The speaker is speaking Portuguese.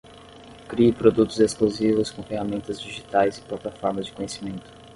Crie produtos exclusivos com ferramentas digitais e plataformas de conhecimento